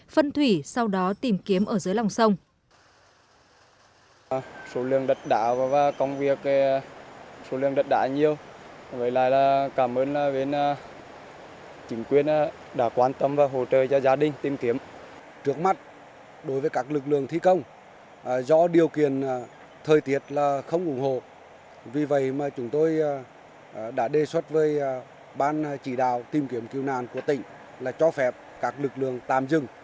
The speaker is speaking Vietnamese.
phân thủy sau đó tìm kiếm ở dưới lòng sông